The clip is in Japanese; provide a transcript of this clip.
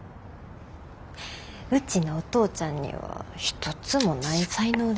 うちのお父ちゃんには一つもない才能です。